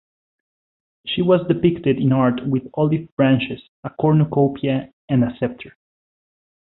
She was depicted in art with olive branches, a cornucopia and a scepter.